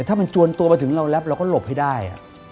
ถ้ามันจวนตัวมาถึงเราแล้วเราก็หลบให้ได้